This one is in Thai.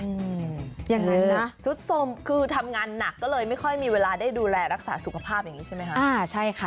อย่างนั้นนะสุดสมคือทำงานหนักก็เลยไม่ค่อยมีเวลาได้ดูแลรักษาสุขภาพอย่างนี้ใช่ไหมคะอ่าใช่ค่ะ